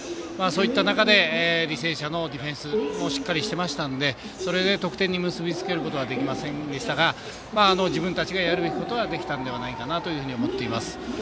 そういった中で履正社のディフェンスもしっかりしていましたのでそれで得点に結び付けることはできませんでしたが自分たちがやるべきことはできたんじゃないかなと思っています。